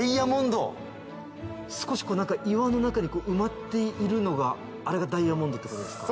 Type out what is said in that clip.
少し岩の中に埋まっているのがあれがダイヤモンドってことですか？